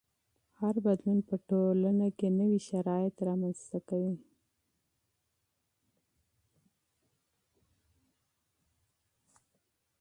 هر بدلون په ټولنه کې نوي شرایط رامنځته کوي.